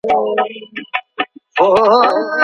ولي کوښښ کوونکی د پوه سړي په پرتله ژر بریالی کېږي؟